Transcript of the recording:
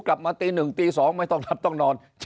กลับมาตีหนึ่งตีสองไม่ต้องนับต้องนอน